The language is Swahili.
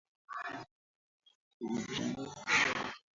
Utupwaji sahihi wa uchafu kutoka kwa wanyama waliotupa mimba